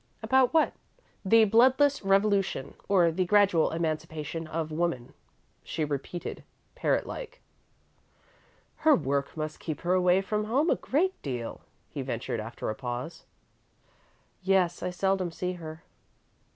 "What about?" "The Bloodless Revolution, or the Gradual Emancipation of Woman," she repeated, parrot like. "Her work must keep her away from home a great deal," he ventured, after a pause. "Yes. I seldom see her."